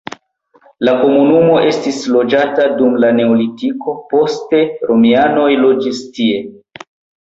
La komunumo estis loĝata dum la neolitiko, poste romianoj loĝis tie.